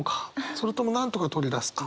それともなんとか取り出すか。